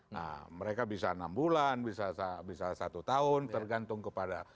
nah mereka bisa enam bulan bisa satu tahun tergantung kepada